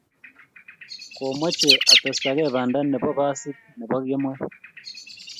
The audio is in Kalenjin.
komoche atestake banta ne bo basit ne bo kemoi.